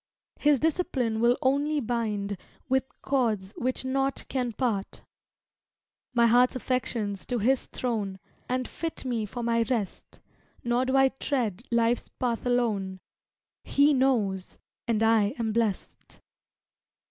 His discipline will only bind With cords which naught can part, My heart's affections to His throne, And fit me for my rest, Nor do I tread life's path alone; He knows, and I am blest.